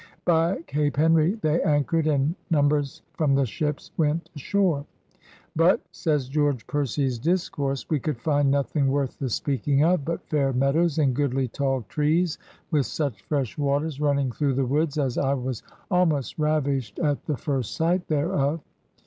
By Cape Henry they anchored, and numbers from the ships went ashore. "But, says George Percy *s Discourse, THE ADVENTURERS 2S '"we could find nothing worth the speaking of, but f aire meadows and goodly tall Trees, with such Fresh waters running through the woods as I was almost ravished at the first sight thereof.